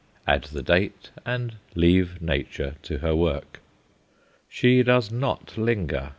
Add the date, and leave Nature to her work. She does not linger.